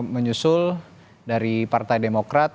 menyusul dari partai demokrat